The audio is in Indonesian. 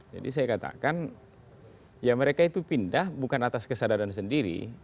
jadi saya katakan ya mereka itu pindah bukan atas kesadaran sendiri